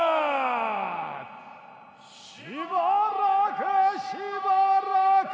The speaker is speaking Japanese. しばらくしばらく。